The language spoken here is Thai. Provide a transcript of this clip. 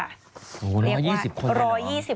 ๑๒๐คนอยู่หรือว่า๑๒๐คนครับ